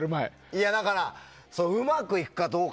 いや、だからうまくいくかどうか。